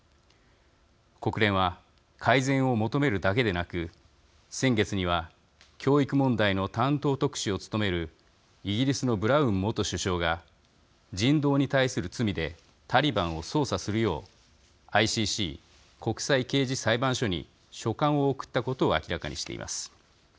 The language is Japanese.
国連は改善を求めるだけでなく先月には、教育問題の担当特使を務めるイギリスのブラウン元首相が人道に対する罪でタリバンを捜査するようＩＣＣ＝国際刑事裁判所に書簡を送ったことを明らかにしています。